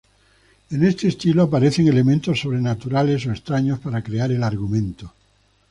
En este estilo aparecen elementos sobrenaturales o extraños para crear el argumento.